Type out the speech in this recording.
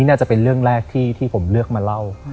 น่าจะเป็นเรื่องแรกที่ผมเลือกมาเล่า